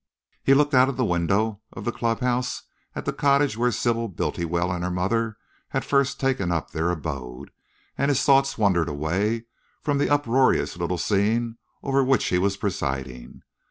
He looked out of the windows of the clubhouse at the cottage where Sybil Bultiwell and her mother had first taken up their abode, and his thoughts wandered away from the uproarious little scene over which he was presiding.